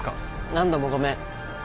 何度もごめん。